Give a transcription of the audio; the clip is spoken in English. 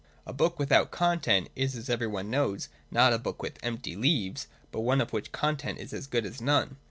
A book without content is, as every one knows, not a book with empty leaves, but one of which the content is as good as none.